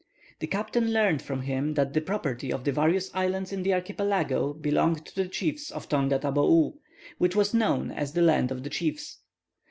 The captain learned from him that the property of the various islands in the archipelago belonged to the chiefs of Tonga Tabou, which was known as the land of the chiefs.